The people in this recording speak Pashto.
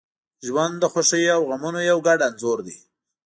• ژوند د خوښیو او غمونو یو ګډ انځور دی.